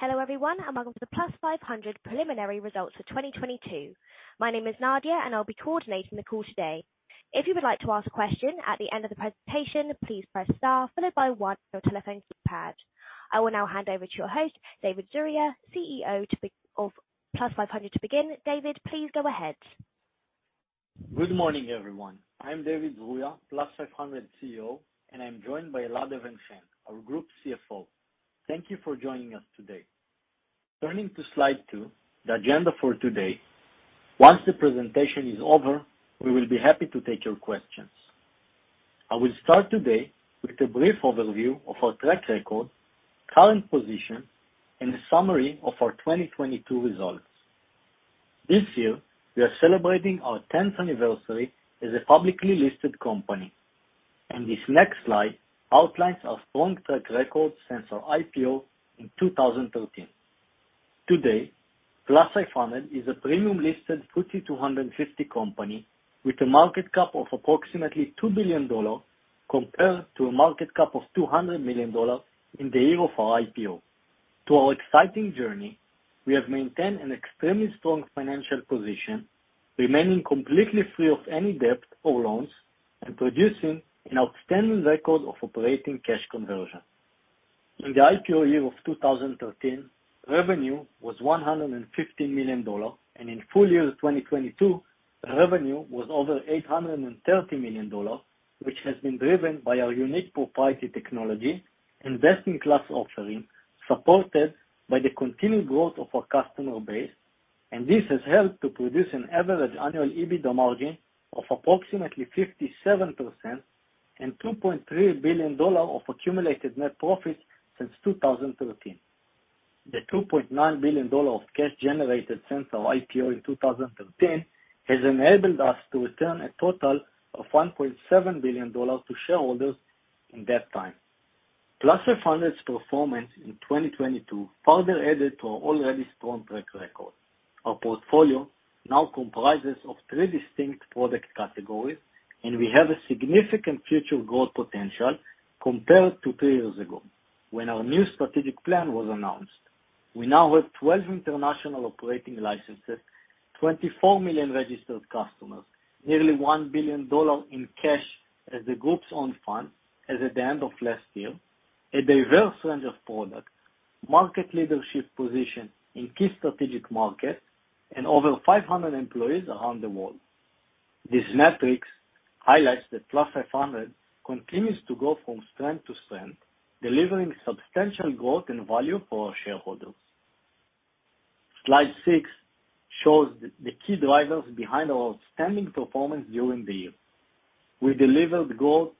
Hello, everyone, welcome to the Plus500 preliminary results for 2022. My name is Nadia, and I'll be coordinating the call today. If you would like to ask a question at the end of the presentation, please press Star followed by one on your telephone keypad. I will now hand over to your host, David Zruia, CEO of Plus500 to begin. David, please go ahead. Good morning, everyone. I'm David Zruia, Plus500 CEO, and I'm joined by Elad Even-Chen, our Group CFO. Thank you for joining us today. Turning to slide 2, the agenda for today. Once the presentation is over, we will be happy to take your questions. I will start today with a brief overview of our track record, current position, and a summary of our 2022 results. This year, we are celebrating our 10th anniversary as a publicly listed company, and this next slide outlines our strong track record since our IPO in 2013. Today, Plus500 is a premium-listed FTSE 250 company with a market cap of approximately $2 billion compared to a market cap of $200 million in the year of our IPO. To our exciting journey, we have maintained an extremely strong financial position, remaining completely free of any debt or loans and producing an outstanding record of operating cash conversion. In the IPO year of 2013, revenue was $150 million, and in full year 2022, revenue was over $830 million, which has been driven by our unique proprietary technology and best-in-class offering, supported by the continued growth of our customer base, and this has helped to produce an average annual EBITDA margin of approximately 57% and $2.3 billion of accumulated net profits since 2013. The $2.9 billion of cash generated since our IPO in 2013 has enabled us to return a total of $1.7 billion to shareholders in that time. Plus500's performance in 2022 further added to our already strong track record. Our portfolio now comprises of three distinct product categories, and we have a significant future growth potential compared to three years ago when our new strategic plan was announced. We now have 12 international operating licenses, 24 million registered customers, nearly $1 billion in cash as the Group's own funds as at the end of last year, a diverse range of products, market leadership position in key strategic markets, and over 500 employees around the world. These metrics highlights that Plus500 continues to go from strength to strength, delivering substantial growth and value for our shareholders. Slide six shows the key drivers behind our outstanding performance during the year. We delivered growth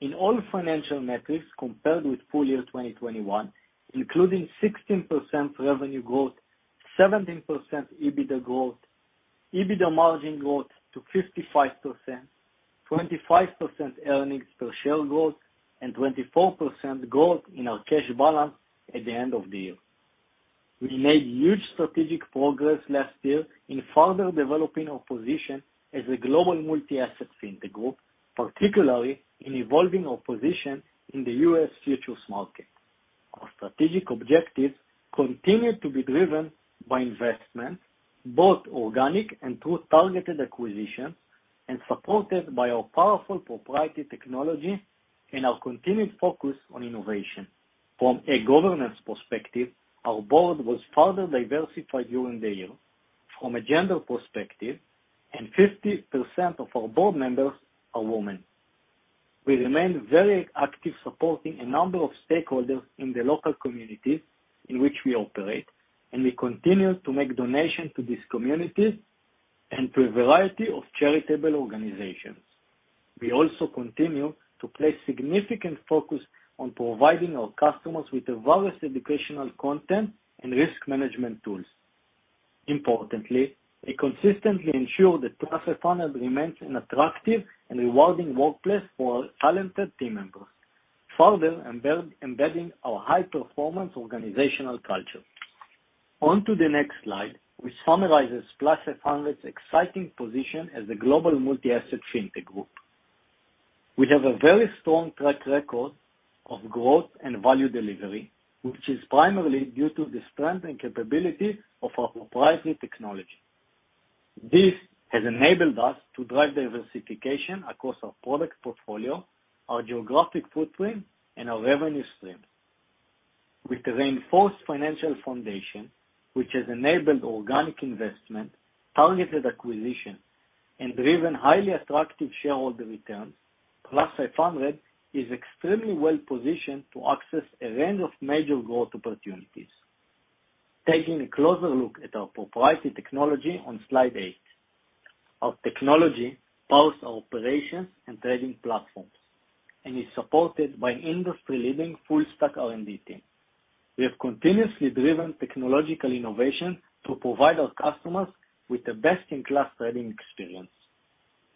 in all financial metrics compared with full year 2021, including 16% revenue growth, 17% EBITDA growth, EBITDA margin growth to 55%, 25% earnings per share growth, and 24% growth in our cash balance at the end of the year. We made huge strategic progress last year in further developing our position as a global multi-asset fintech group, particularly in evolving our position in the U.S. futures market. Our strategic objectives continue to be driven by investments, both organic and through targeted acquisitions, and supported by our powerful proprietary technology and our continued focus on innovation. From a governance perspective, our board was further diversified during the year from a gender perspective, and 50% of our board members are women. We remain very active supporting a number of stakeholders in the local communities in which we operate, and we continue to make donations to these communities and to a variety of charitable organizations. We also continue to place significant focus on providing our customers with the various educational content and risk management tools. Importantly, we consistently ensure that Plus500 remains an attractive and rewarding workplace for our talented team members, further embedding our high-performance organizational culture. On to the next slide, which summarizes Plus500's exciting position as a global multi-asset fintech group. We have a very strong track record of growth and value delivery, which is primarily due to the strength and capabilities of our proprietary technology. This has enabled us to drive diversification across our product portfolio, our geographic footprint, and our revenue stream. With the reinforced financial foundation, which has enabled organic investment, targeted acquisition, and driven highly attractive shareholder returns, Plus500 is extremely well-positioned to access a range of major growth opportunities. Taking a closer look at our proprietary technology on slide eight. Our technology powers our operations and trading platforms and is supported by an industry-leading full-stack R&D team. We have continuously driven technological innovation to provide our customers with the best-in-class trading experience.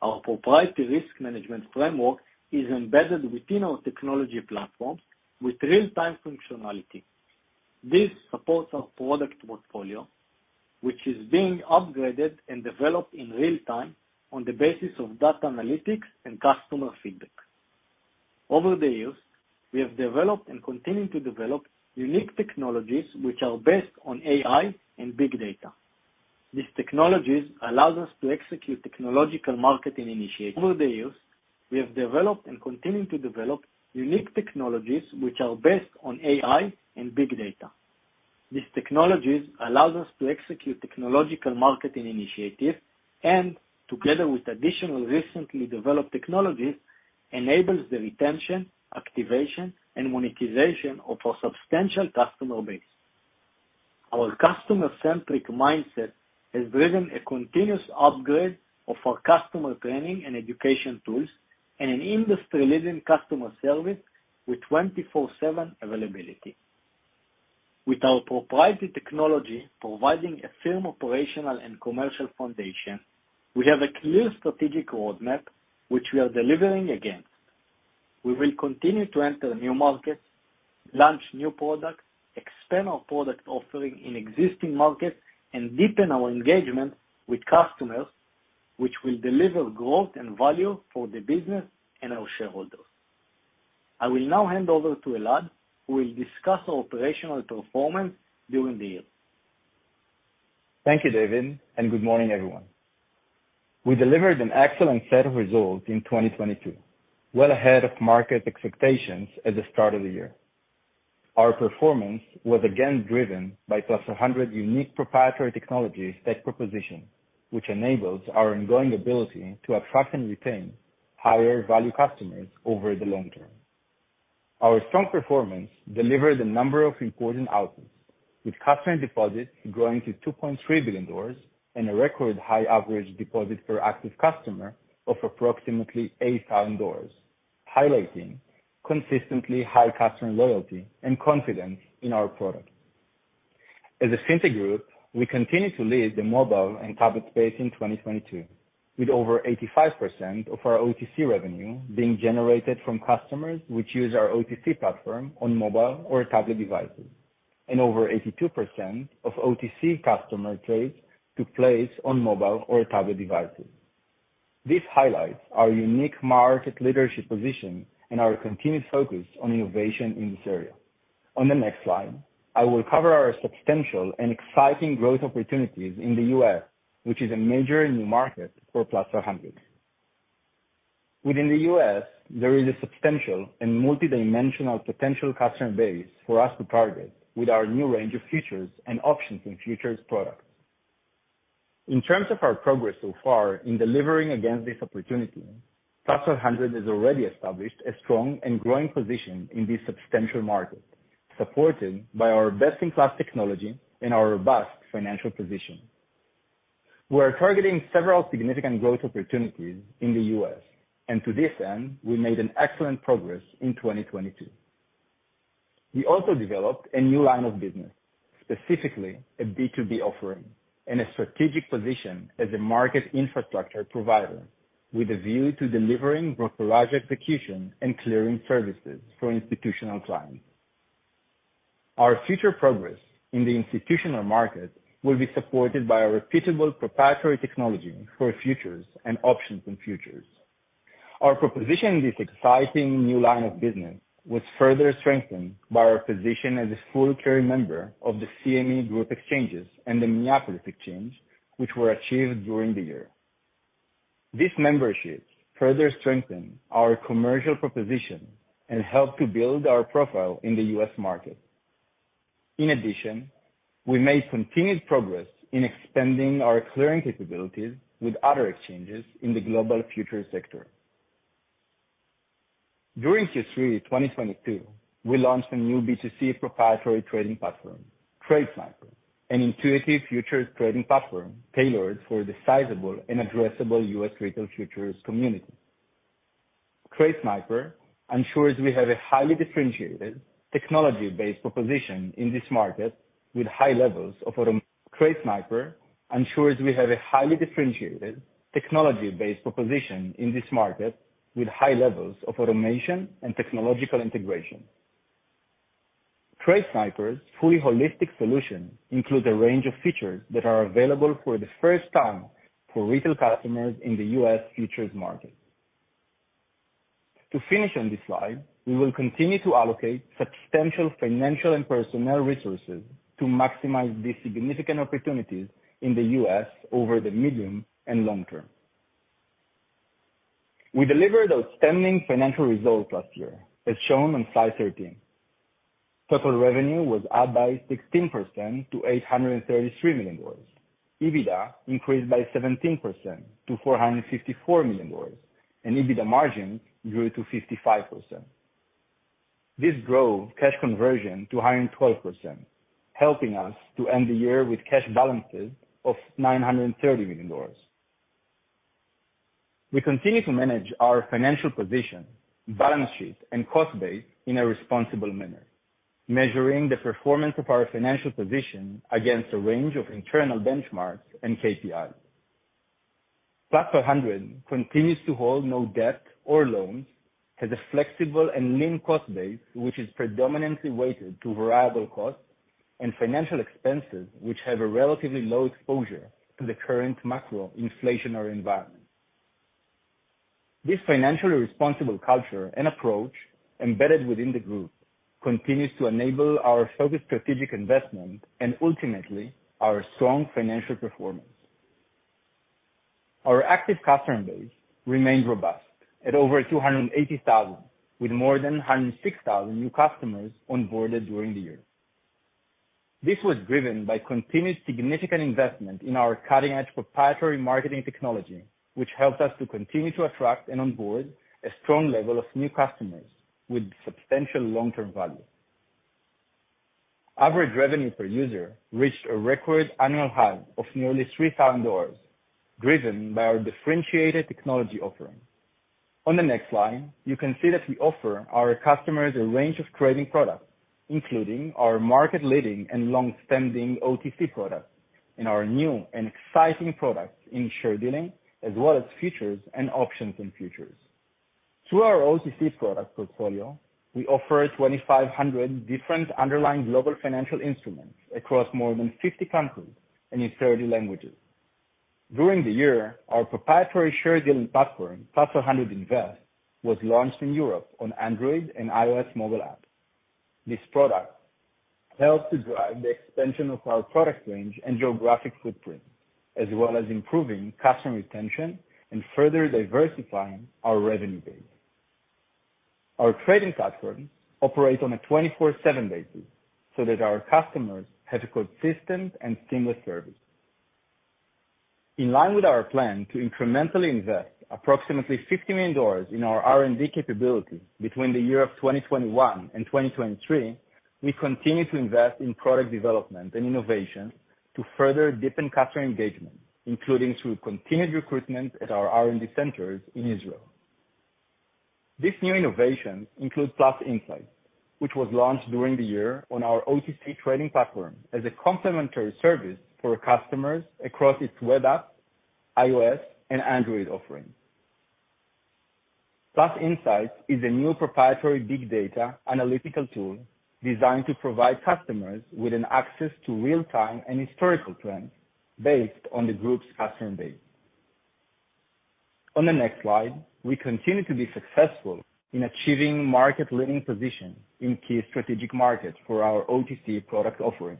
Our proprietary risk management framework is embedded within our technology platform with real-time functionality. This supports our product portfolio, which is being upgraded and developed in real time on the basis of data analytics and customer feedback. Over the years, we have developed and continue to develop unique technologies which are based on AI and big data. These technologies allows us to execute technological marketing initiatives. Over the years, we have developed and continue to develop unique technologies which are based on AI and big data. These technologies allows us to execute technological marketing initiatives and together with additional recently developed technologies, enables the retention, activation, and monetization of a substantial customer base. Our customer-centric mindset has driven a continuous upgrade of our customer training and education tools and an industry-leading customer service with 24/7 availability. With our proprietary technology providing a firm operational and commercial foundation, we have a clear strategic roadmap which we are delivering against. We will continue to enter new markets, launch new products, expand our product offering in existing markets, and deepen our engagement with customers, which will deliver growth and value for the business and our shareholders. I will now hand over to Elad, who will discuss our operational performance during the year. Thank you, David, and good morning, everyone. We delivered an excellent set of results in 2022, well ahead of market expectations at the start of the year. Our performance was again driven by Plus500 unique proprietary technology tech proposition, which enables our ongoing ability to attract and retain higher value customers over the long term. Our strong performance delivered a number of important outcomes, with customer deposits growing to $2.3 billion and a record high average deposit per active customer of approximately $8,000, highlighting consistently high customer loyalty and confidence in our product. As a Plus500 Group, we continue to lead the mobile and tablet space in 2022, with over 85% of our OTC revenue being generated from customers which use our OTC platform on mobile or tablet devices, and over 82% of OTC customer trades took place on mobile or tablet devices. This highlights our unique market leadership position and our continued focus on innovation in this area. On the next slide, I will cover our substantial and exciting growth opportunities in the U.S., which is a major new market for Plus500. Within the U.S., there is a substantial and multidimensional potential customer base for us to target with our new range of features and options in futures products. In terms of our progress so far in delivering against this opportunity, Plus500 has already established a strong and growing position in this substantial market, supported by our best-in-class technology and our robust financial position. We're targeting several significant growth opportunities in the US, and to this end, we made an excellent progress in 2022. We also developed a new line of business, specifically a B2B offering and a strategic position as a market infrastructure provider with a view to delivering brokerage execution and clearing services for institutional clients. Our future progress in the institutional market will be supported by a reputable proprietary technology for futures and options in futures. Our proposition in this exciting new line of business was further strengthened by our position as a full clearing member of the CME Group exchanges and the Minneapolis Exchange, which were achieved during the year. These memberships further strengthen our commercial proposition and help to build our profile in the U.S. market. We made continued progress in expanding our clearing capabilities with other exchanges in the global futures sector. During Q3 2022, we launched a new B2C proprietary trading platform, TradeSniper, an intuitive futures trading platform tailored for the sizable and addressable U.S. retail futures community. TradeSniper ensures we have a highly differentiated technology-based proposition in this market with high levels of automation and technological integration. TradeSniper's fully holistic solution includes a range of features that are available for the first time for retail customers in the U.S. futures market. To finish on this slide, we will continue to allocate substantial financial and personnel resources to maximize these significant opportunities in the U.S. over the medium and long term. We delivered outstanding financial results last year, as shown on slide 13. Total revenue was up by 16% to $833 million. EBITDA increased by 17% to $454 million, and EBITDA margin grew to 55%. This drove cash conversion to 112%, helping us to end the year with cash balances of $930 million. We continue to manage our financial position, balance sheet, and cost base in a responsible manner, measuring the performance of our financial position against a range of internal benchmarks and KPIs. Plus500 continues to hold no debt or loans, has a flexible and lean cost base, which is predominantly weighted to variable costs and financial expenses, which have a relatively low exposure to the current macro inflationary environment. This financially responsible culture and approach embedded within the group continues to enable our focused strategic investment and ultimately our strong financial performance. Our active customer base remained robust at over 280,000, with more than 106,000 new customers onboarded during the year. This was driven by continued significant investment in our cutting-edge proprietary marketing technology, which helped us to continue to attract and onboard a strong level of new customers with substantial long-term value. Average revenue per user reached a record annual high of nearly $3,000, driven by our differentiated technology offerings. On the next slide, you can see that we offer our customers a range of trading products, including our market leading and long-standing OTC products and our new and exciting products in share dealing, as well as futures and options and futures. Through our OTC product portfolio, we offer 2,500 different underlying global financial instruments across more than 50 countries and in 30 languages. During the year, our proprietary share dealing platform, Plus500 Invest, was launched in Europe on Android and iOS mobile app. This product helped to drive the expansion of our product range and geographic footprint, as well as improving customer retention and further diversifying our revenue base. Our trading platform operates on a 24/7 basis so that our customers have a consistent and seamless service. In line with our plan to incrementally invest approximately $50 million in our R&D capabilities between the year of 2021 and 2023, we continue to invest in product development and innovation to further deepen customer engagement, including through continued recruitment at our R&D centers in Israel. This new innovation includes +Insights, which was launched during the year on our OTC trading platform as a complimentary service for customers across its web app, iOS and Android offerings. +Insights is a new proprietary big data analytical tool designed to provide customers with an access to real-time and historical trends based on the group's customer base. On the next slide, we continue to be successful in achieving market-leading position in key strategic markets for our OTC product offering.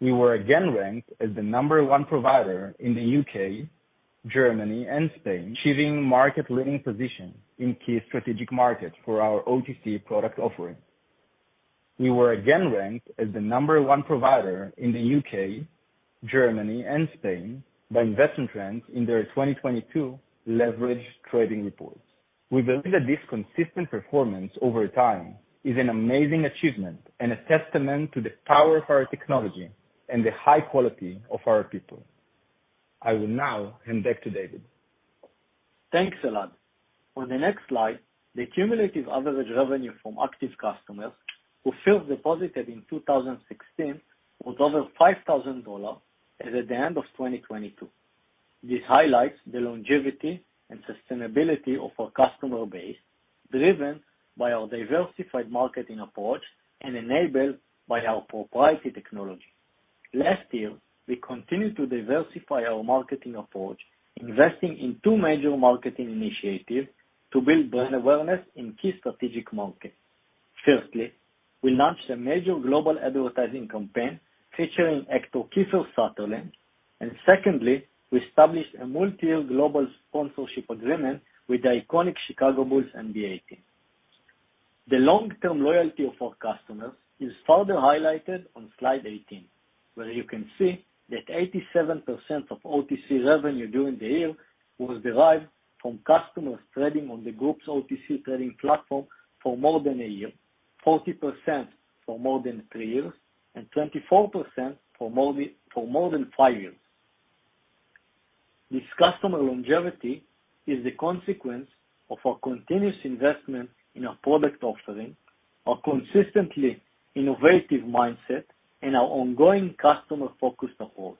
We were again ranked as the number one provider in the U.K., Germany, and Spain, achieving market-leading position in key strategic markets for our OTC product offering. We were again ranked as the number one provider in the U.K., Germany, and Spain by Investment Trends in their 2022 leveraged trading reports. We believe that this consistent performance over time is an amazing achievement and a testament to the power of our technology and the high quality of our people. I will now hand back to David. Thanks, Elad. On the next slide, the cumulative average revenue from active customers who first deposited in 2016 was over $5,000 as at the end of 2022. This highlights the longevity and sustainability of our customer base, driven by our diversified marketing approach and enabled by our proprietary technology. Last year, we continued to diversify our marketing approach, investing in 2 major marketing initiatives to build brand awareness in key strategic markets. Firstly, we launched a major global advertising campaign featuring actor Kiefer Sutherland, and secondly, we established a multi-year global sponsorship agreement with the iconic Chicago Bulls NBA team. The long-term loyalty of our customers is further highlighted on slide 18, where you can see that 87% of OTC revenue during the year was derived from customers trading on the group's OTC trading platform for more than one year, 40% for more than three years, and 24% for more than five years. This customer longevity is a consequence of our continuous investment in our product offering, our consistently innovative mindset, and our ongoing customer-focused approach.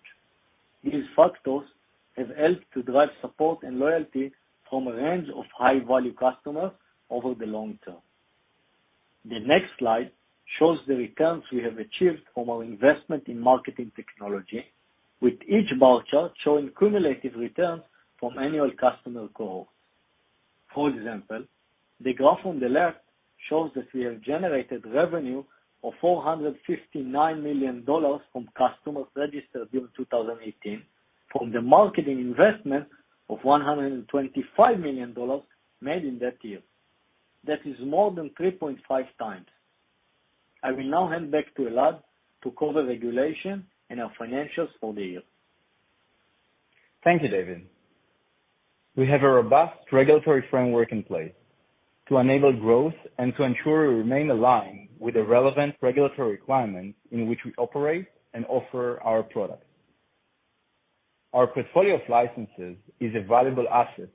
These factors have helped to drive support and loyalty from a range of high-value customers over the long term. The next slide shows the returns we have achieved from our investment in marketing technology, with each bar chart showing cumulative returns from annual customer cohorts. For example, the graph on the left shows that we have generated revenue of $459 million from customers registered during 2018 from the marketing investment of $125 million made in that year. That is more than 3.5x. I will now hand back to Elad to cover regulation and our financials for the year. Thank you, David. We have a robust regulatory framework in place to enable growth and to ensure we remain aligned with the relevant regulatory requirements in which we operate and offer our products. Our portfolio of licenses is a valuable asset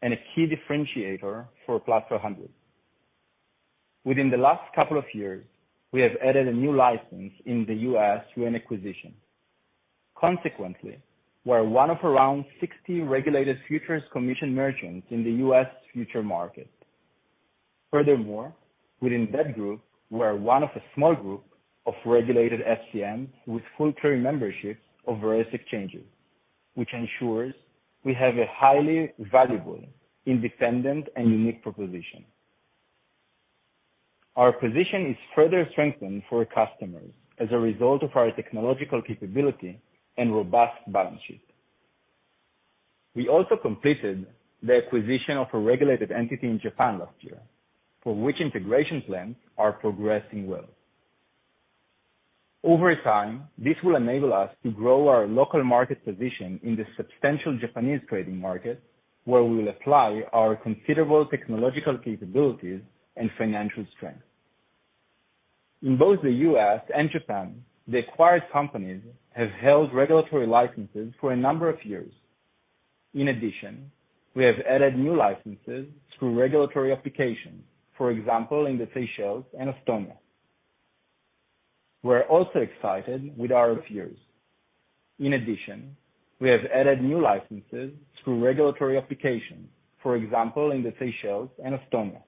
and a key differentiator for Plus500. Within the last couple of years, we have added a new license in the U.S. through an acquisition. We're one of around 60 regulated futures commission merchants in the U.S. future market. Within that group, we're one of a small group of regulated FCMs with full clearing memberships of various exchanges, which ensures we have a highly valuable, independent, and unique proposition. Our position is further strengthened for our customers as a result of our technological capability and robust balance sheet. We also completed the acquisition of a regulated entity in Japan last year, for which integration plans are progressing well. Over time, this will enable us to grow our local market position in the substantial Japanese trading market, where we will apply our considerable technological capabilities and financial strength. In both the U.S. and Japan, the acquired companies have held regulatory licenses for a number of years. In addition, we have added new licenses through regulatory applications. For example, in the Seychelles and Estonia. We're also excited with our viewers. In addition, we have added new licenses through regulatory applications, for example, in the Seychelles and Estonia.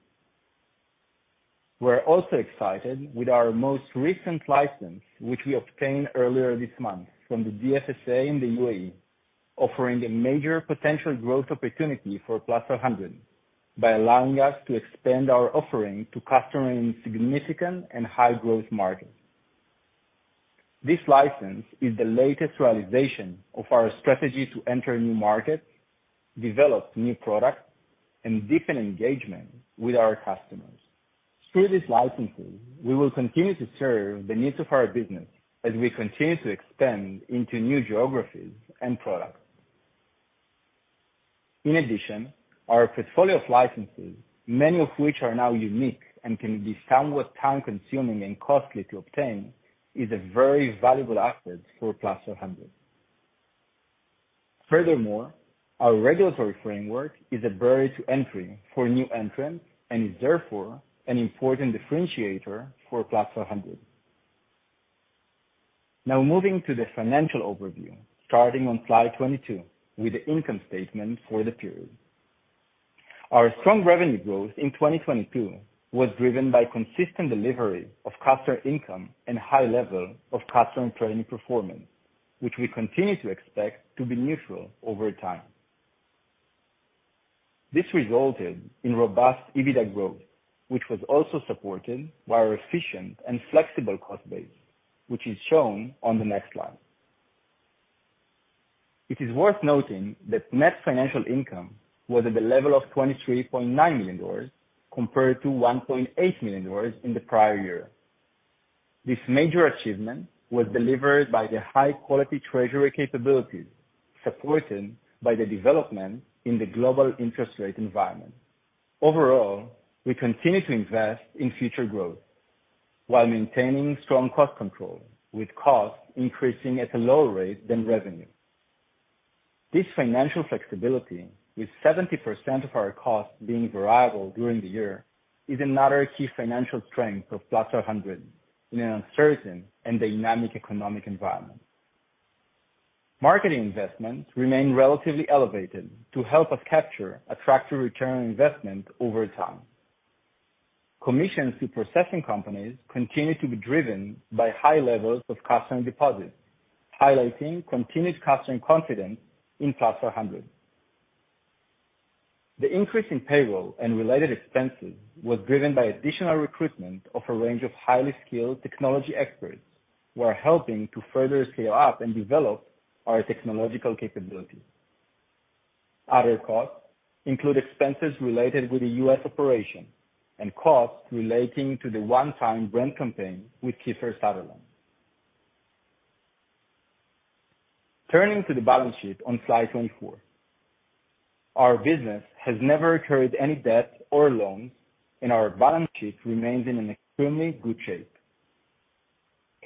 We're also excited with our most recent license, which we obtained earlier this month from the DFSA in the UAE, offering a major potential growth opportunity for Plus500 by allowing us to expand our offering to customers in significant and high-growth markets. This license is the latest realization of our strategy to enter new markets, develop new products, and deepen engagement with our customers. Through these licenses, we will continue to serve the needs of our business as we continue to expand into new geographies and products. In addition, our portfolio of licenses, many of which are now unique and can be somewhat time-consuming and costly to obtain, is a very valuable asset for Plus500. Furthermore, our regulatory framework is a barrier to entry for new entrants and is therefore an important differentiator for Plus500. Now moving to the financial overview, starting on slide 22 with the income statement for the period. Our strong revenue growth in 2022 was driven by consistent delivery of customer income and high level of customer trading performance, which we continue to expect to be neutral over time. This resulted in robust EBITDA growth, which was also supported by our efficient and flexible cost base, which is shown on the next slide. It is worth noting that net financial income was at the level of $23.9 million compared to $1.8 million in the prior year. This major achievement was delivered by the high-quality treasury capabilities, supported by the development in the global interest rate environment. Overall, we continue to invest in future growth while maintaining strong cost control, with costs increasing at a lower rate than revenue. This financial flexibility, with 70% of our costs being variable during the year, is another key financial strength of Plus500 in an uncertain and dynamic economic environment. Marketing investments remain relatively elevated to help us capture attractive ROI over time. Commissions to processing companies continue to be driven by high levels of customer deposits, highlighting continued customer confidence in Plus500. The increase in payroll and related expenses was driven by additional recruitment of a range of highly skilled technology experts who are helping to further scale up and develop our technological capabilities. Other costs include expenses related with the U.S. operation and costs relating to the one-time brand campaign with Kiefer Sutherland. Turning to the balance sheet on slide 24. Our business has never incurred any debt or loans, and our balance sheet remains in an extremely good shape.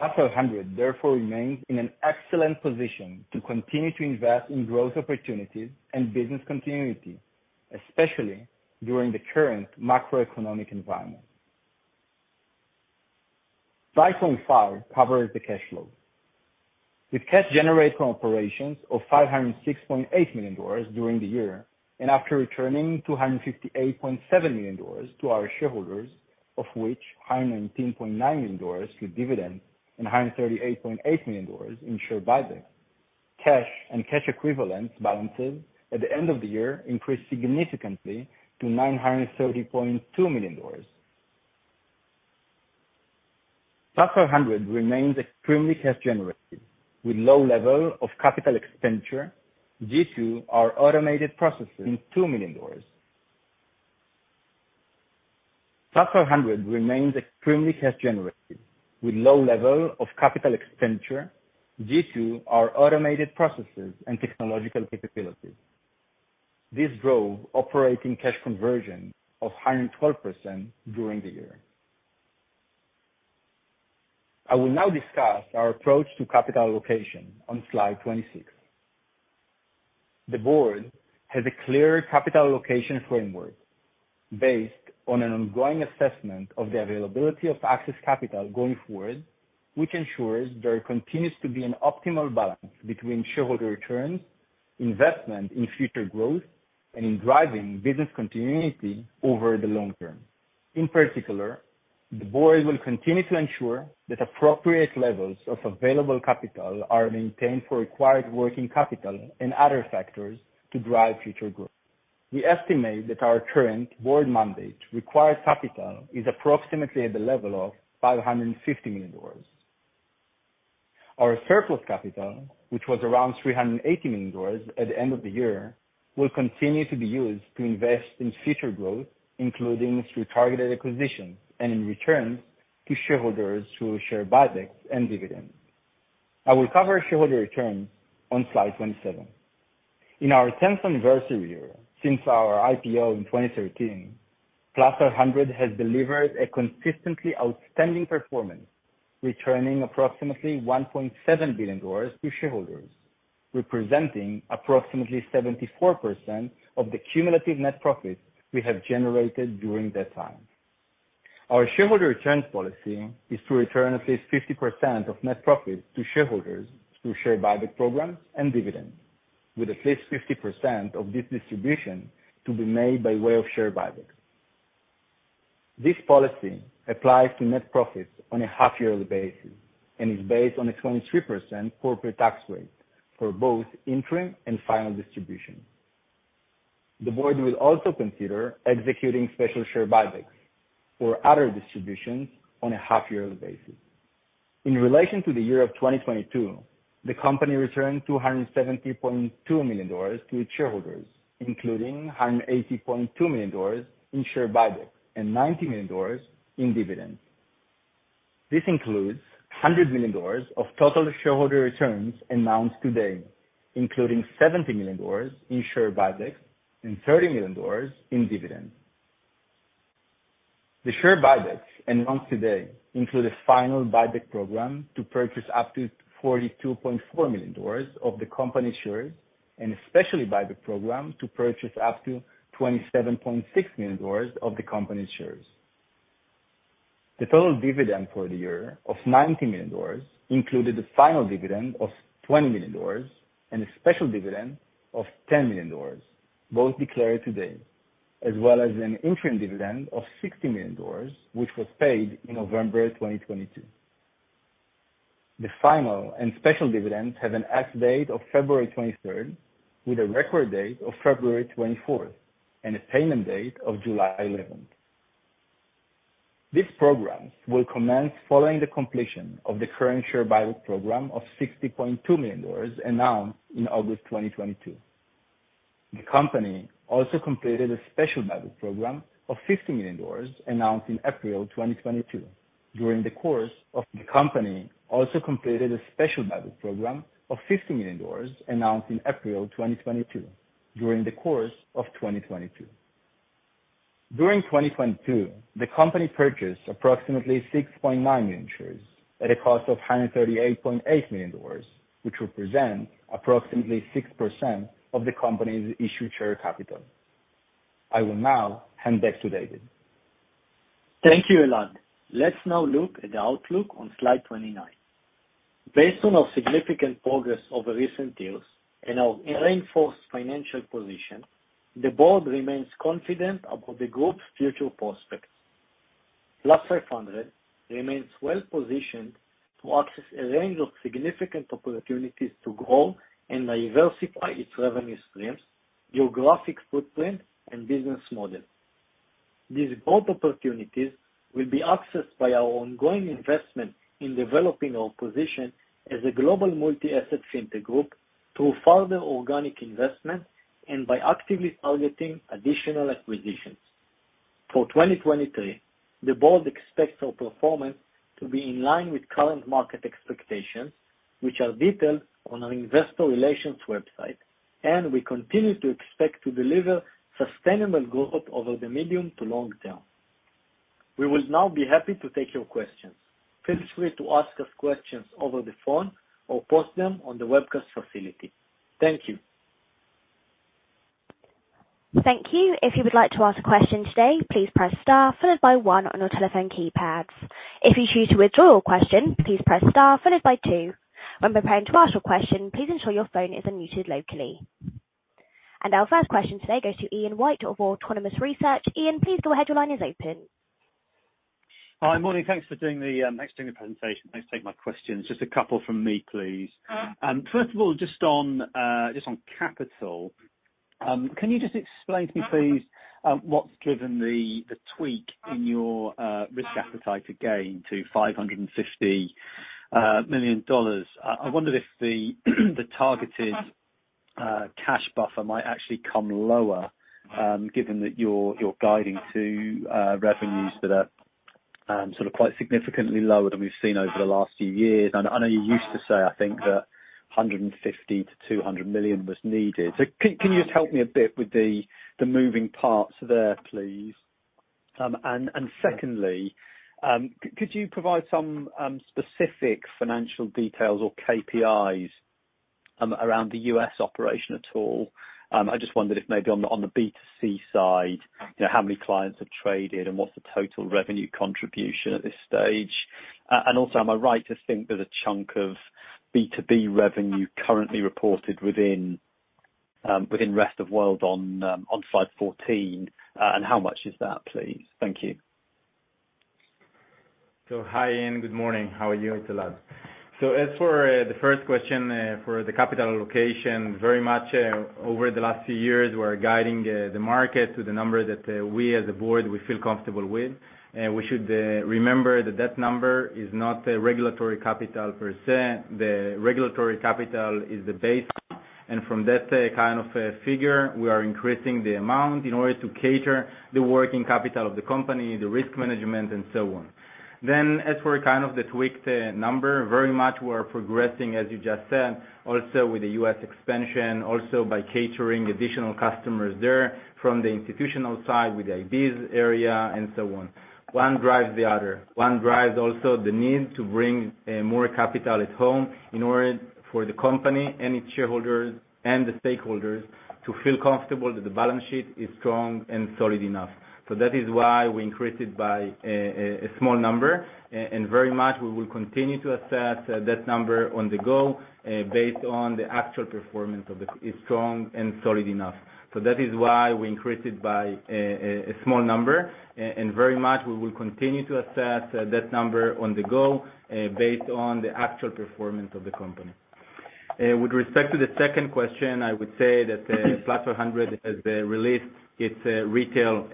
Plus500 therefore remains in an excellent position to continue to invest in growth opportunities and business continuity, especially during the current macroeconomic environment. Slide 25 covers the cash flow. With cash generated from operations of $506.8 million during the year and after returning $258.7 million to our shareholders, of which $119.9 million through dividends and $138.8 million in share buyback, cash and cash equivalents balances at the end of the year increased significantly to $930.2 million. Plus500 remains extremely cash generative with low level of capital expenditure due to our automated processes in $2 million. Plus500 remains extremely cash generative with low level of capital expenditure due to our automated processes and technological capabilities. This drove operating cash conversion of 112% during the year. I will now discuss our approach to capital allocation on slide 26. The board has a clear capital allocation framework based on an ongoing assessment of the availability of access capital going forward, which ensures there continues to be an optimal balance between shareholder returns, investment in future growth, and in driving business continuity over the long term. In particular, the board will continue to ensure that appropriate levels of available capital are maintained for required working capital and other factors to drive future growth. We estimate that our current board mandate required capital is approximately at the level of $550 million. Our surplus capital, which was around $380 million at the end of the year, will continue to be used to invest in future growth, including through targeted acquisitions and in returns to shareholders through share buybacks and dividends. I will cover shareholder returns on slide 27. In our 10th anniversary year, since our IPO in 2013, Plus500 has delivered a consistently outstanding performance, returning approximately $1.7 billion to shareholders, representing approximately 74% of the cumulative net profits we have generated during that time. Our shareholder returns policy is to return at least 50% of net profits to shareholders through share buyback programs and dividends, with at least 50% of this distribution to be made by way of share buybacks. This policy applies to net profits on a half yearly basis and is based on a 23% corporate tax rate for both interim and final distribution. The board will also consider executing special share buybacks or other distributions on a half yearly basis. In relation to the year of 2022, the company returned $270.2 million to its shareholders, including $180.2 million in share buyback and $90 million in dividends. This includes $100 million of total shareholder returns announced today, including $70 million in share buybacks and $30 million in dividends. The share buybacks announced today include a final buyback program to purchase up to $42.4 million of the company shares, and a special buyback program to purchase up to $27.6 million of the company's shares. The total dividend for the year of $90 million included a final dividend of $20 million and a special dividend of $10 million, both declared today, as well as an interim dividend of $60 million, which was paid in November 2022. The final and special dividends have an ex-date of 23rd February with a record date of February 24th and a payment date of July 11th. These programs will commence following the completion of the current share buyback program of $60.2 million announced in August 2022. The company also completed a special buyback program of $50 million announced in April 2022. During the course of the company also completed a special buyback program of $50 million announced in April 2022 during the course of 2022. During 2022, the company purchased approximately 6.9 million shares at a cost of $138.8 million, which represent approximately 6% of the company's issued share capital. I will now hand back to David. Thank you, Elad. Let's now look at the outlook on slide 29. Based on our significant progress over recent years and our reinforced financial position, the board remains confident about the group's future prospects. Plus500 remains well-positioned to access a range of significant opportunities to grow and diversify its revenue streams, geographic footprint, and business model. These growth opportunities will be accessed by our ongoing investment in developing our position as a global multi-asset fintech group through further organic investment and by actively targeting additional acquisitions. For 2023, the board expects our performance to be in line with current market expectations, which are detailed on our investor relations website. We continue to expect to deliver sustainable growth over the medium to long term. We will now be happy to take your questions. Feel free to ask us questions over the phone or post them on the webcast facility. Thank you. Thank you. If you would like to ask a question today, please press star followed by one on your telephone keypads. If you choose to withdraw your question, please press star followed by two. When preparing to ask your question, please ensure your phone is unmuted locally. Our first question today goes to Ian White of Autonomous Research. Ian, please go ahead. Your line is open. Hi. Morning. Thanks for doing the, thanks for doing the presentation. Thanks for taking my questions. Just a couple from me, please. First of all, just on, just on capital, can you just explain to me, please, what's driven the tweak in your, risk appetite again to $550 million? I wonder if the targeted, cash buffer might actually come lower, given that you're guiding to, revenues that are, sort of quite significantly lower than we've seen over the last few years. I know you used to say, I think, that $150 million-$200 million was needed. Can you just help me a bit with the moving parts there, please? Secondly, could you provide some specific financial details or KPIs around the U.S. operation at all? I just wondered if maybe on the B2C side, you know, how many clients have traded and what's the total revenue contribution at this stage? Also, am I right to think there's a chunk of B2B revenue currently reported within rest of world on slide 14? How much is that, please? Thank you. Hi, Ian. Good morning. How are you? It's Elad. As for the first question, for the capital allocation, very much over the last few years, we're guiding the market to the number that we as a board we feel comfortable with. We should remember that that number is not a regulatory capital per se. The regulatory capital is the baseline, and from that, kind of figure, we are increasing the amount in order to cater the working capital of the company, the risk management, and so on. As for kind of the tweaked number, very much we're progressing, as you just said, also with the U.S. expansion, also by catering additional customers there from the institutional side with the IB area and so on. One drives the other. One drives also the need to bring more capital at home in order for the company and its shareholders and the stakeholders to feel comfortable that the balance sheet is strong and solid enough. That is why we increased it by a small number. Very much we will continue to assess that number on the go, based on the actual performance of the company. With respect to the second question, I would say that Plus500 has released its retail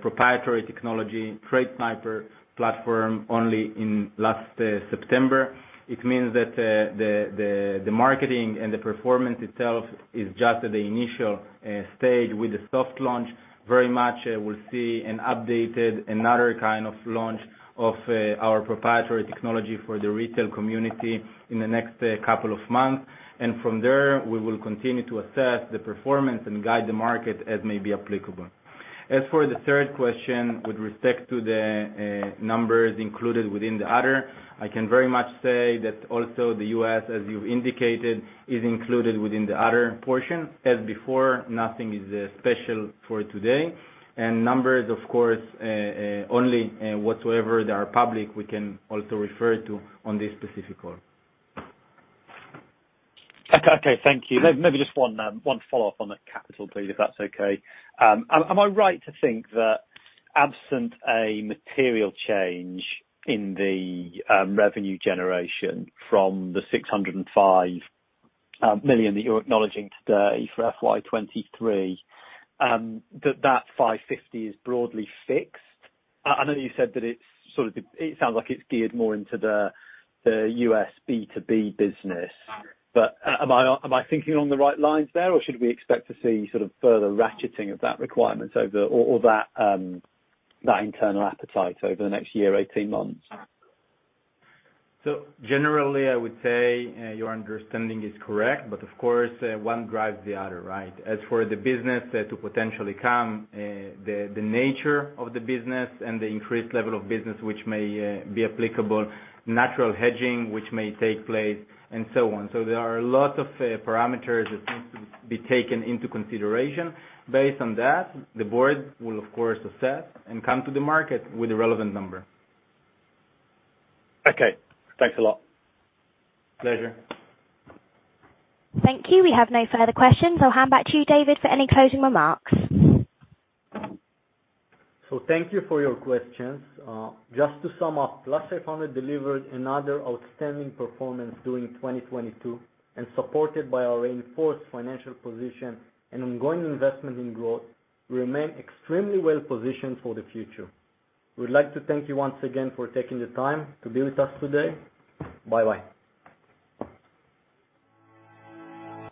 proprietary technology TradeSniper platform only in last September. It means that the marketing and the performance itself is just at the initial stage with the soft launch. Very much, we'll see an updated, another kind of launch of our proprietary technology for the retail community in the next couple of months. From there, we will continue to assess the performance and guide the market as may be applicable. As for the third question with respect to the numbers included within the other, I can very much say that also the U.S., as you've indicated, is included within the other portion. As before, nothing is special for today. Numbers, of course, only whatsoever they are public, we can also refer to on this specific call. Okay, thank you. Maybe just one follow-up on the capital please, if that's okay. Am I right to think that absent a material change in the revenue generation from the $605 million that you're acknowledging today for FY 2023, that $550 is broadly fixed? I know you said that it sounds like it's geared more into the U.S. B2B business. Am I thinking on the right lines there, or should we expect to see sort of further ratcheting of that requirement over that internal appetite over the next year, 18 months? Generally, I would say, your understanding is correct, but of course, one drives the other, right? As for the business to potentially come, the nature of the business and the increased level of business which may be applicable, natural hedging which may take place, and so on. There are a lot of parameters that need to be taken into consideration. Based on that, the board will of course assess and come to the market with the relevant number. Okay. Thanks a lot. Pleasure. Thank you. We have no further questions. I'll hand back to you, David, for any closing remarks. Thank you for your questions. Just to sum up, Plus500 delivered another outstanding performance during 2022, and supported by our reinforced financial position and ongoing investment in growth, we remain extremely well positioned for the future. We'd like to thank you once again for taking the time to be with us today. Bye-bye.